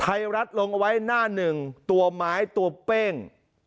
ไทยรัฐลงเอาไว้หน้าหนึ่งตัวไม้ตัวเป้ง